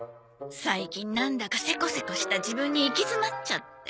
最近なんだかセコセコした自分に行き詰まっちゃって。